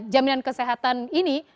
jaminan kesehatan ini